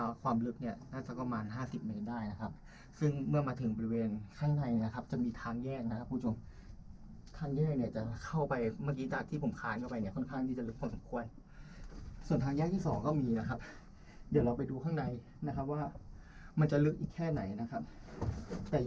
อ่าอ่าอ่าอ่าอ่าอ่าอ่าอ่าอ่าอ่าอ่าอ่าอ่าอ่าอ่าอ่าอ่าอ่าอ่าอ่าอ่าอ่าอ่าอ่าอ่าอ่าอ่าอ่าอ่าอ่าอ่าอ่าอ่าอ่าอ่าอ่าอ่าอ่าอ่าอ่าอ่าอ่าอ่าอ่าอ่าอ่าอ่าอ่าอ่าอ่าอ่าอ่าอ่าอ่าอ่าอ